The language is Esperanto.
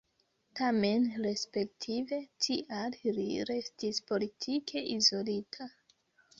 Tamen respektive tial li restis politike izolita.